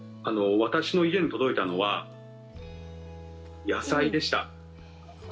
私の家に届いたのは野菜でした。